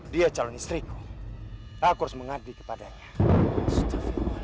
dia calon istriku aku harus mengadih kepadanya